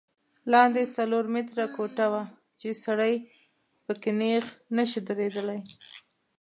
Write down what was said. لاندې څلور متره کوټه وه چې سړی په کې نیغ نه شو درېدلی.